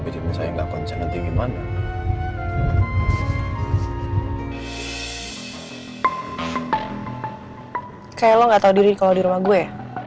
kayak lu nggak tahu diri kalau di rumah gue